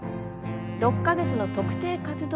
６か月の特定活動